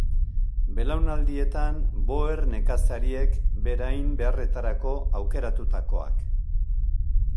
Belaunaldietan Boer nekazariek berain beharretarako aukeratutakoak.